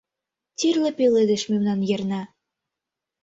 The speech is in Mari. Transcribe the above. Тӱрлӧ пеледыш мемнан йырна, —